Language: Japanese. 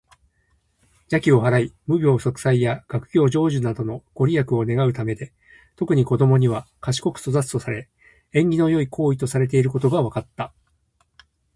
邪気を払い、無病息災や学業成就などのご利益を願うためで、特に子どもには「賢く育つ」とされ、縁起の良い行為とされていることが分かった。